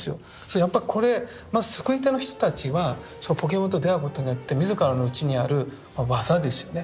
やっぱこれまず作り手の人たちはそのポケモンと出会うことによって自らの内にある技ですよね。